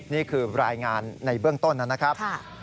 นี่คือรายงานในเบื้องต้นนะครับ